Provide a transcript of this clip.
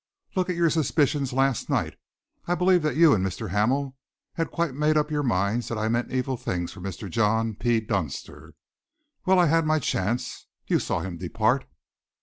Look at your suspicions last night. I believe that you and Mr. Hamel had quite made up your minds that I meant evil things for Mr. John P. Dunster. Well, I had my chance. You saw him depart."